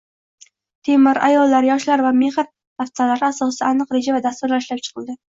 “Temir”, “ayollar”, “yoshlar” va “mehr” daftarlari asosida aniq reja va dasturlar ishlab chiqildi